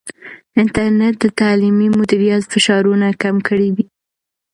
انټرنیټ د تعلیمي مدیریت فشارونه کم کړي دي.